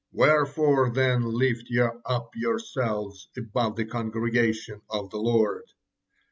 Wherefore then lift ye up yourselves above the congregation of the Lord?"